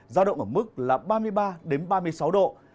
giao động ở mức là ba mươi ba ba mươi sáu độ